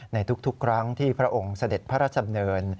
ในทุกครั้งที่พระองค์เสด็จพระราชดำเนิน